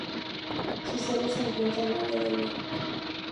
Su sede se encuentra en Nueva Delhi.